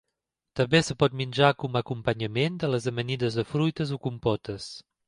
També es pot menjar com acompanyament de les amanides de fruites o compotes.